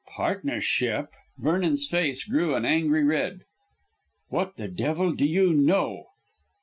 "Partnership!" Vernon's face grew an angry red. "What the devil do you know?"